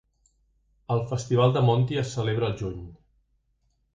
El Festival de Monti es celebra al juny.